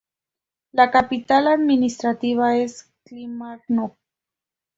La capital administrativa es Kilmarnock.